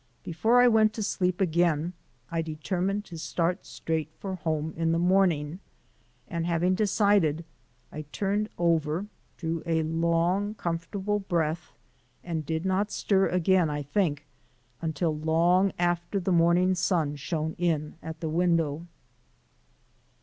Before I went to sleep again I determined to start straight for home in the morning: and having decided, I turned over, drew a long, comfortable breath and did not stir again, I think, until long after the morning sun shone in at the window.